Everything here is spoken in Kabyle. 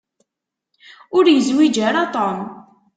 Ur yezwiǧ ara Tom.